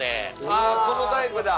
あっこのタイプだ。